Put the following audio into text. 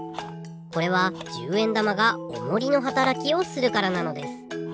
これは１０円玉がおもりのはたらきをするからなのです。